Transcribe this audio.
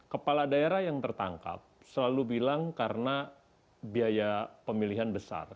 kepala daerah yang tertangkap selalu bilang karena biaya pemilihan besar